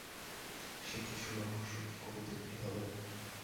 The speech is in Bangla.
সেই কিছুর রহস্য কি কোনো দিন ভেদ হবে?